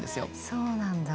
そうなんだ。